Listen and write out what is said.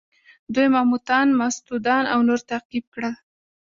دوی ماموتان، ماستودان او نور تعقیب کړل.